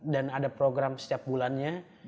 dan ada program setiap bulannya